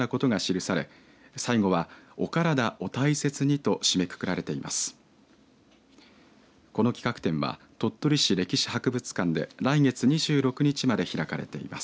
この企画展は鳥取市歴史博物館で来月２６日まで開かれています。